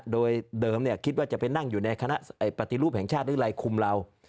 โดยเดิมคิดว่าจะไปนั่งอยู่ในคณะปฏิรูปแห่งชาติหรืออะไรคุมเรา